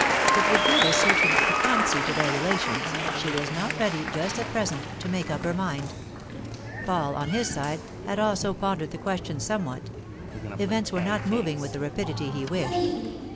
It would give a certain piquancy to their relations, and she was not ready—just at present—to make up her mind. Paul, on his side, had also pondered the question somewhat. Events were not moving with the rapidity he wished.